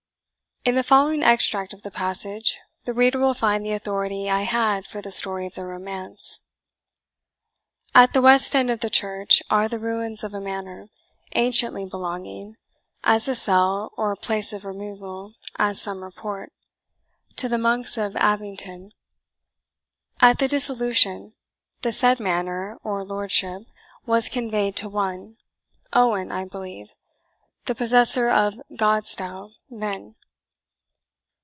In the following extract of the passage, the reader will find the authority I had for the story of the romance: "At the west end of the church are the ruins of a manor, anciently belonging (as a cell, or place of removal, as some report) to the monks of Abington. At the Dissolution, the said manor, or lordship, was conveyed to one Owen (I believe), the possessor of Godstow then.